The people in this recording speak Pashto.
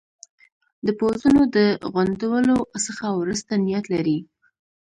د پوځونو د غونډولو څخه وروسته نیت لري.